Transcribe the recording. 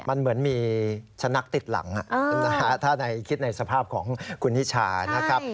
มันเหมือนมีชะนักติดหลังถ้าคิดในสภาพของคุณนิชานะครับ